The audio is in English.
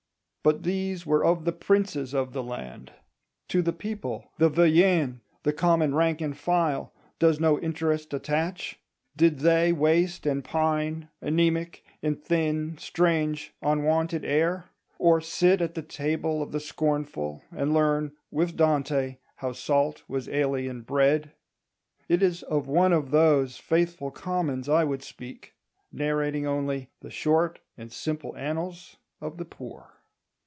But these were of the princes of the land. To the people, the villeins, the common rank and file, does no interest attach? Did they waste and pine, anæmic, in thin, strange, unwonted air? Or sit at the table of the scornful and learn, with Dante, how salt was alien bread? It is of one of those faithful commons I would speak, narrating only "the short and simple annals of the poor."